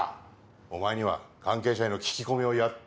お前には関係者への聞き込みをやってもらう。